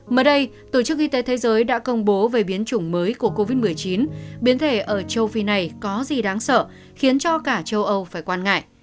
mới đây tổ chức y tế thế giới đã công bố về biến chủng mới của covid một mươi chín biến thể ở châu phi này có gì đáng sợ khiến cho cả châu âu phải quan ngại